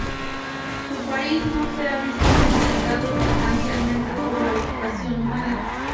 Su paisaje no se ha visto modificado sustancialmente por la ocupación humana.